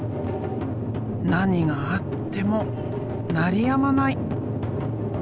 何があっても鳴りやまない！